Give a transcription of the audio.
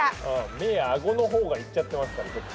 目や顎のほうがいっちゃってますから。